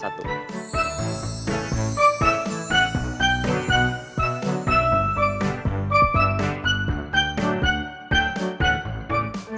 satu buat gue